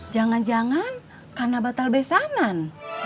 jangan jangan karena batal besanan